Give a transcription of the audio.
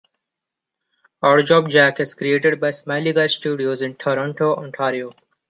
Odd Job Jack is created by Smiley Guy Studios in Toronto, Ontario.